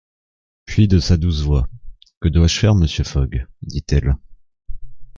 Puis, de sa douce voix :« Que dois-je faire, monsieur Fogg ? dit-elle.